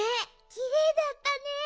きれいだったね。